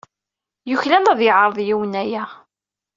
Yuklal ad yeɛreḍ yiwen aya.